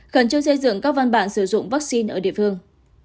khẩn trương xây dựng các văn bản sử dụng vaccine ở địa phương